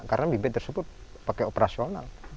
karena bibit tersebut pakai operasional